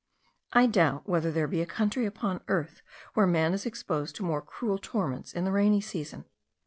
I doubt whether there be a country upon earth where man is exposed to more cruel torments in the rainy season.